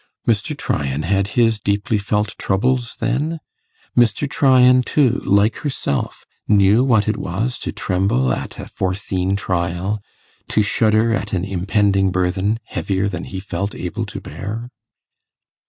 Mr. Tryan had his deeply felt troubles, then? Mr. Tryan, too, like herself, knew what it was to tremble at a foreseen trial to shudder at an impending burthen, heavier than he felt able to bear?